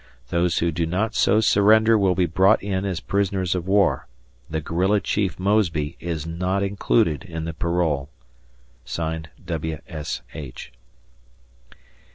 Those who do not so surrender will be brought in as prisoners of war. The Guerilla Chief Mosby is not included in the parole. W. S. H.